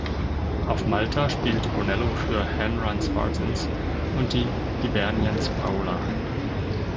Auf Malta spielte Bonello für Ħamrun Spartans und die Hibernians Paola.